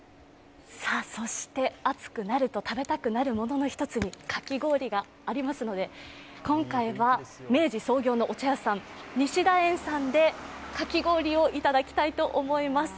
暑くなると食べたくなるものの１つにかき氷がありますので今回は、明治創業のお茶屋さん西田園さんでかき氷をいただきたいと思います。